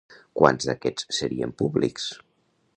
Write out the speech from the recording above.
Quants d'aquests serien públics?